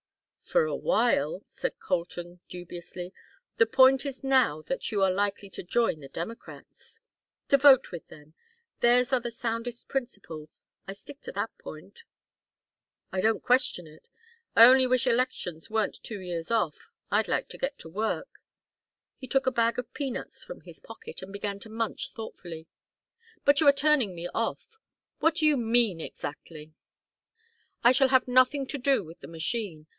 "For a while," said Colton, dubiously. "The point is now that you are likely to join the Democrats." "To vote with them. Theirs are the soundest principles. I stick to that point." "I don't question it. I only wish elections weren't two years off; I'd like to get to work." He took a bag of peanuts from his pocket and began to munch thoughtfully. "But you are turning me off. What do you mean exactly?" "I shall have nothing to do with the machine.